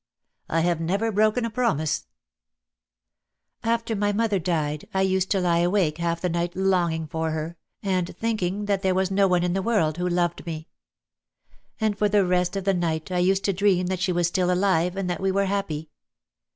"I have never broken a promise." "After my mother died I used to lie awake half the night longing for her, and thinking that there was no one in the world who loved me. And for the rest of the night I used to dream that she was still alive, and that we were happy.